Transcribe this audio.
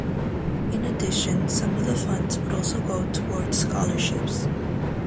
In addition, some of the funds would also go towards scholarships.